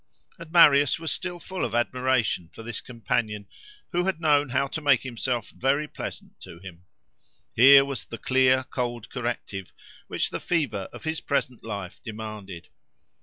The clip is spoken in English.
And Marius was still full of admiration for this companion, who had known how to make himself very pleasant to him. Here was the clear, cold corrective, which the fever of his present life demanded.